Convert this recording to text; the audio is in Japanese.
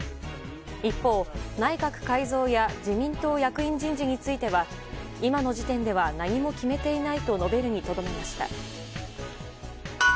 一方、内閣改造や自民党役員人事については今の時点では何も決めていないと述べるにとどまりました。